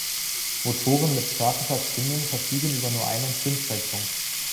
Motoren mit statischer Zündung verfügen über nur einen Zündzeitpunkt.